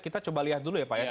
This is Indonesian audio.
kita coba lihat dulu ya pak ya